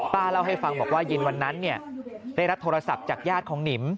เล่าให้ฟังบอกว่าเย็นวันนั้นได้รับโทรศัพท์จากญาติของหนิม